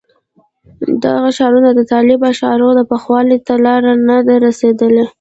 د هغه شعرونه د طالب اشعارو پوخوالي ته لا نه دي رسېدلي.